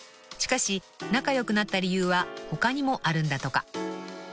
［しかし仲良くなった理由は他にもあるんだとか］